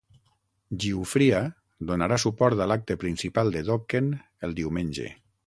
Giuffria donarà suport a l'acte principal de Dokken el diumenge.